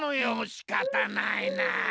しかたないな。